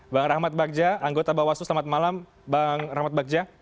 bang rahmat bagja anggota bawaslu selamat malam bang rahmat bagja